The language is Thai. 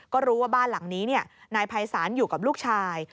ก็รู้ว่าบ้านหลังนี้นายภัยศาลอยู่กับลูกชาย